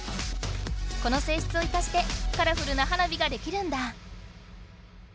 このせいしつを生かしてカラフルな花火ができるんだ。